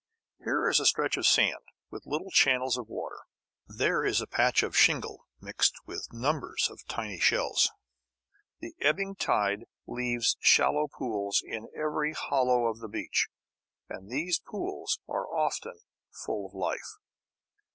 Here is a stretch of sand, with little channels of water; there is a patch of shingle mixed with numbers of tiny shells. The ebbing tide leaves shallow pools in every hollow of the beach, and these pools are often full of life.